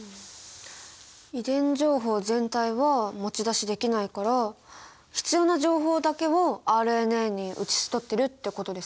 遺伝情報全体は持ち出しできないから必要な情報だけをＲＮＡに写し取ってるってことですかね？